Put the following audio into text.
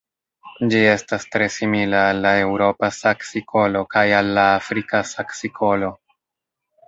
Ĝi estas tre simila al la Eŭropa saksikolo kaj al la Afrika saksikolo.